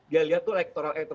dia lihat tuh lektoran lektoran